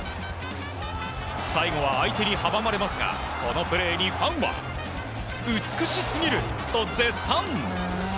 最後は相手に阻まれますがこのプレーにファンは美しすぎると絶賛！